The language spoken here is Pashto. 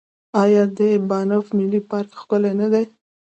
آیا د بانف ملي پارک ښکلی نه دی؟